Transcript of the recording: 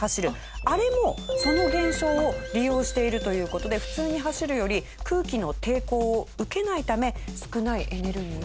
あれもその現象を利用しているという事で普通に走るより空気の抵抗を受けないため少ないエネルギーで。